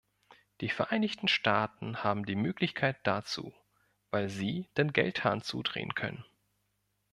Die Vereinigten Staaten haben die Möglichkeit dazu, weil sie den Geldhahn zudrehen können.